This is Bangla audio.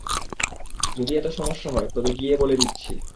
যদি এত সমস্যা হয়, তবে গিয়ে বলে দিচ্ছি।